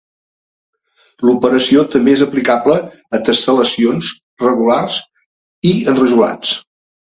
L'operació també és aplicable a tessel·lacions regulars i enrajolats.